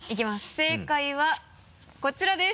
正解はこちらです。